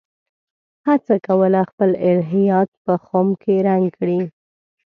هڅه کوله خپل الهیات په خُم کې رنګ کړي.